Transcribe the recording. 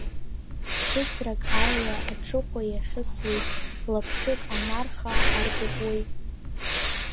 Шьыцрак аиуа аҽыхәа иахьысуеит, лаԥшык анарха аркәыкәуеит…